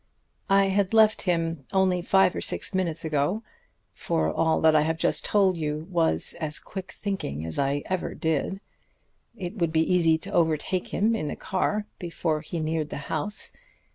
I had left him only five or six minutes ago for all that I have just told you was as quick thinking as I ever did. It would be easy to overtake him in the car before he neared the house.